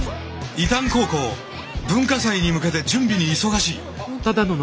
伊旦高校文化祭に向けて準備に忙しい。